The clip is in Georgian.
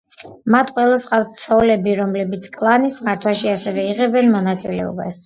მათ ყველას ჰყავთ ცოლები, რომლებიც კლანის მართვაში ასევე იღებენ მონაწილეობას.